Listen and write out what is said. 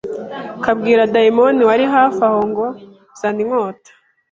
kabwira dayimoni wari hafi aho ngo zana inkota